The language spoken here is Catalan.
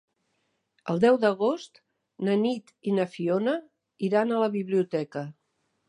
El deu d'agost na Nit i na Fiona iran a la biblioteca.